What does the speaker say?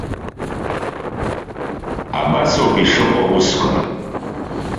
Абасоуп ишыҟоу аусқәа.